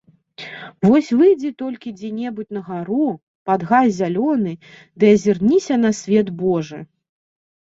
Вось выйдзі толькі дзе-небудзь на гару, пад гай зялёны, ды азірніся на свет божы!